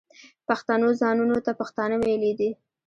پښتنو ځانونو ته پښتانه ویلي دي.